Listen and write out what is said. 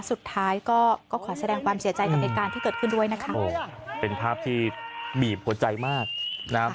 สุดท้ายก็ก็ขอแสดงความเสียใจกับเหตุการณ์ที่เกิดขึ้นด้วยนะคะโอ้เป็นภาพที่บีบหัวใจมากนะครับ